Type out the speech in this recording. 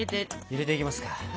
入れていきますか。